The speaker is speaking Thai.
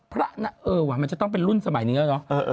เออว่ะมันจะต้องเป็นรุ่นสมัยนี้แล้วเนอะ